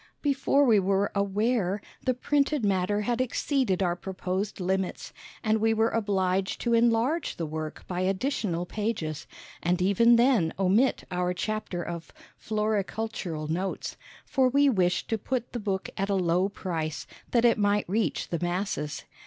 Before we were aware, the printed matter had exceeded our proposed limits, and we were obliged to enlarge the work by additional pages, and even then omit our chapter of "Floricultural Notes," for we wished to put the book at a low price, that it might reach the masses.